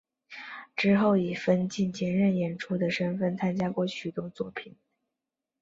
之后以分镜兼任演出的身分参加过许多作品。